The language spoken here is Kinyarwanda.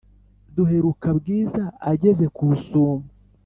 Duheruka bwiza ageze kusumo